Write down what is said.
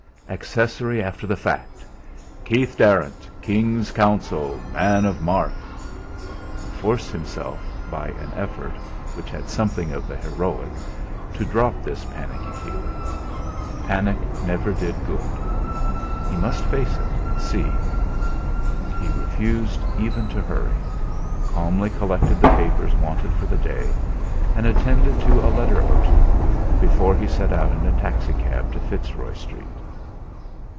Accessory after the fact! Keith Darrant, King's Counsel, man of mark! He forced himself by an effort, which had something of the heroic, to drop this panicky feeling. Panic never did good. He must face it, and see. He refused even to hurry, calmly collected the papers wanted for the day, and attended to a letter or two, before he set out in a taxi cab to Fitzroy Street.